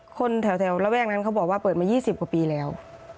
คนแถวระแวกนั้นเขาบอกว่าเปิดมา๒๐กว่าปีแล้ว